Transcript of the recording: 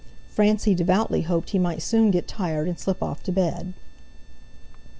Francie devoutly hoped he might soon get tired, and slip off to bed.